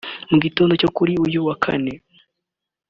Mu gitondo cyo kuri uyu wa kane